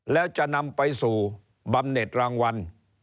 แล้วจะนำไปสู่บำเน็ตรางวัล